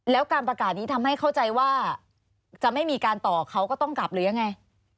แล้วการประกาศนี้ทำให้เข้าใจว่าจะไม่มีการต่อเขาก็ต้องกลับหรือยังไง